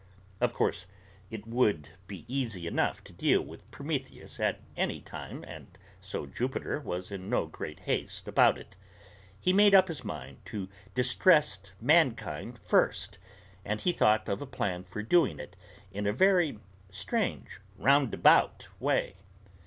Of course it would be easy enough to deal with Prometheus at any time, and so Jupiter was in no great haste about it. He made up his mind to distress mankind first; and he thought of a plan for doing it in a very strange, roundabout way.